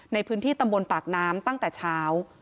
ในพื้นที่ตำบลปากน้ำตั้งแต่เช้า